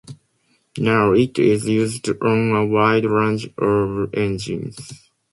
Now it is used on a wide range of engines.